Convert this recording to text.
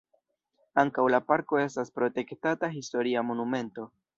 Ankaŭ la parko estas protektata historia monumento.